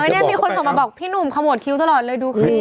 นี่มีคนส่งมาบอกพี่หนุ่มขมวดคิ้วตลอดเลยดูคลิป